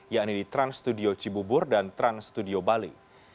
yakni di trans studio cibubur dan trans studio bali